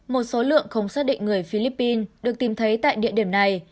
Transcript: một số lượng không xác định người philippines được tìm thấy tại địa điểm này